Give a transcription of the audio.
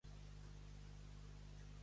Tenir més llengua que setze.